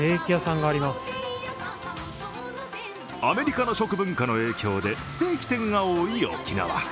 アメリカの食文化の影響でステーキ店が多い沖縄。